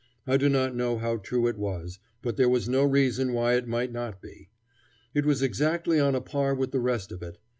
I do not know how true it was, but there was no reason why it might not be. It was exactly on a par with the rest of it.